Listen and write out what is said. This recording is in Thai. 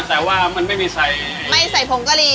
แต่ว่ามันไม่มีใส่ไม่ใส่ผงกะหรี่